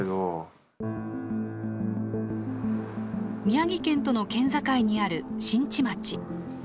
宮城県との県境にある新地町。